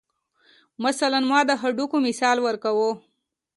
مثلاً ما د هډوکو مثال ورکو.